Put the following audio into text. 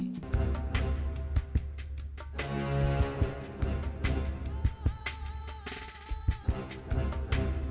มะพร้าวอ่อนมะพร้าวอ่อน